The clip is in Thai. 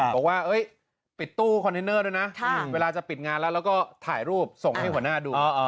บอกว่าปิดตู้คอนเทนเนอร์ด้วยนะเวลาจะปิดงานแล้วแล้วก็ถ่ายรูปส่งให้หัวหน้าดู